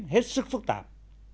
hết sức phức tạp